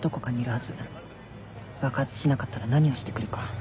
爆発しなかったら何をしてくるか。